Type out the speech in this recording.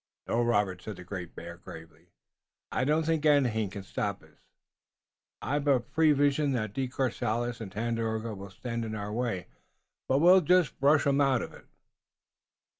"No, Robert," said the Great Bear gravely, "I don't think anything can stop us. I've a prevision that De Courcelles and Tandakora will stand in our way, but we'll just brush 'em out of it."